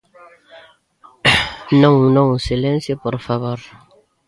Non, non, silencio, por favor.